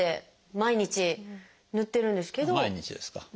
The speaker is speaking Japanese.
毎日です。